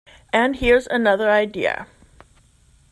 And here's another idea.